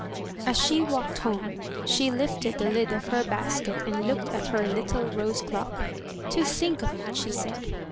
As she walked home, she lifted the lid of her basket and looked at her little rose clock. "To think of it!" she said.